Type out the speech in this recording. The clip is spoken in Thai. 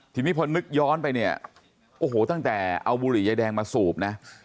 ทีนี้พอนึกย้อนไปเนี่ยโอ้โหตั้งแต่เอาบุหรี่ยายแดงมาสูบนะ